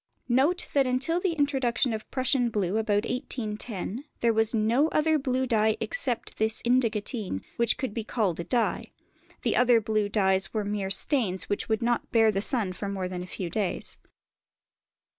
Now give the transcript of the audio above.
Note that until the introduction of Prussian blue about 1810 there was no other blue dye except this indigotine that could be called a dye; the other blue dyes were mere stains which would not bear the sun for more than a few days.